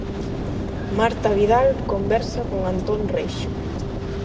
Marta Vidal conversa con Antón Reixa.